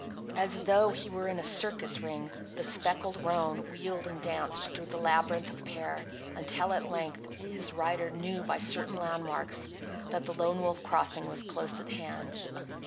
As though he were in a circus ring the speckled roan wheeled and danced through the labyrinth of pear until at length his rider knew by certain landmarks that the Lone Wolf Crossing was close at hand.